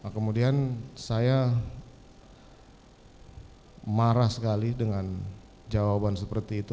kemudian saya marah sekali dengan jawaban seperti itu